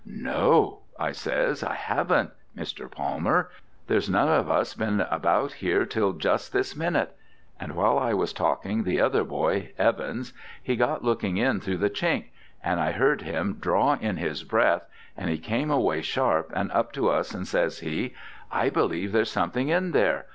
'No,' I says, 'I haven't, Mr. Palmer; there's none of us been about here till just this minute,' and while I was talking the other boy, Evans, he got looking in through the chink, and I heard him draw in his breath, and he came away sharp and up to us, and says he, 'I believe there's something in there.